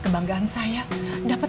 kebanggaan saya dapat